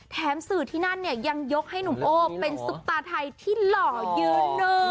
แถมสื่อที่นั่นเนี่ยยังยกให้หนุ่มโอ้เป็นซุปตาไทยที่หล่อยืนหนึ่ง